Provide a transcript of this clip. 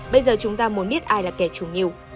bây giờ chúng ta muốn biết ai là kẻ trùng nhiều